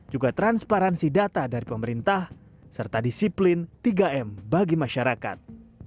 juga transparansi data dari pemerintah serta disiplin tiga m bagi masyarakat